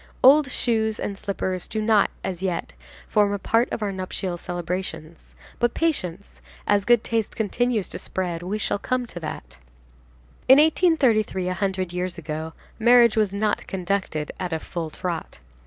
Old shoes and slippers do not, as yet, form a part of our nuptial celebrations; but patience, as good taste continues to spread, we shall come to that. In 1833, a hundred years ago, marriage was not conducted at a full trot.